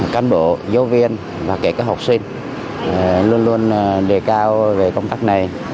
cán bộ giáo viên và kể cả các học sinh luôn luôn đề cao về công tác này